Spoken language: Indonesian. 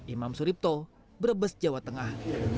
imam suripto brebes jawa tengah